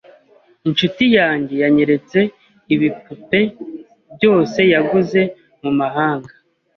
Inshuti yanjye yanyeretse ibipupe byose yaguze mumahanga.